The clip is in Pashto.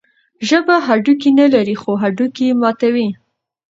ژبه هډوکي نلري، خو هډوکي ماتوي.